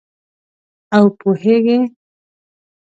او پوهیږې